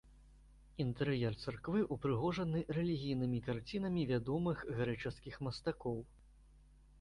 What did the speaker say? Інтэр'ер царквы ўпрыгожаны рэлігійнымі карцінамі вядомых грэчаскіх мастакоў.